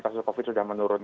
kasus covid sudah menurun